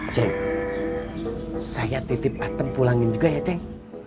cik saya titip atem pulangin juga ya cik